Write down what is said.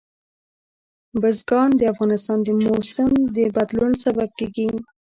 بزګان د افغانستان د موسم د بدلون سبب کېږي.